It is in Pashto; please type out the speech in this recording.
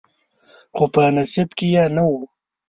خو په نصیب کې یې نه و.